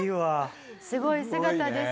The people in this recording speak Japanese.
すごい姿です。